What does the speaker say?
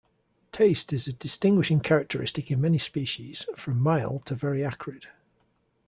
Taste is a distinguishing characteristic in many species, from mild to very acrid.